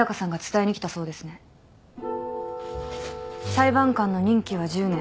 裁判官の任期は１０年。